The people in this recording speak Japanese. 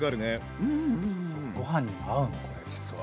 ご飯にも合うのこれ実は。